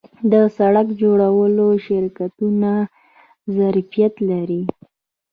د سرک جوړولو شرکتونه ظرفیت لري؟